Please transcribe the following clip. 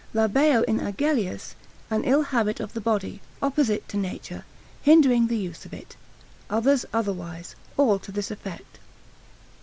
Labeo in Agellius, an ill habit of the body, opposite to nature, hindering the use of it. Others otherwise, all to this effect.